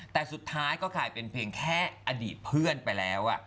แต่สุดท้ายก็กลายเป็นเพียงแค่อดีตเพื่อนไปแล้ว